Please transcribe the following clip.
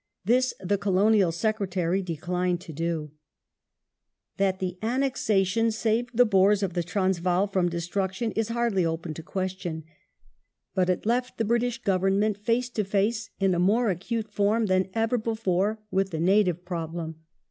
This the Colonial Secretary declined to do. The Zulu That the annexation saved the Boers of the Transvaal from "'^ ^^destruction is hardly open to question. But it left the British Government face to face, in a more acute form than ever before, with the native problem.